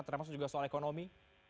termasuk juga soal ekonomi